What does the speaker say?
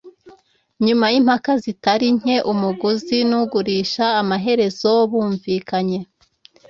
Nyuma yimpaka zitari nke, umuguzi nugurisha amaherezo bumvikanye.